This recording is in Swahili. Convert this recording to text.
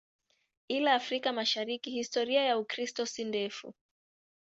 Ila Afrika Mashariki historia ya Ukristo si ndefu.